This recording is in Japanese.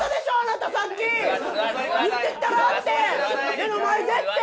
目の前でって！